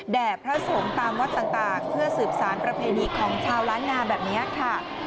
พระสงฆ์ตามวัดต่างเพื่อสืบสารประเพณีของชาวล้านนาแบบนี้ค่ะ